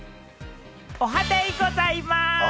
おはデイございます。